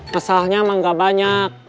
masalahnya emang gak banyak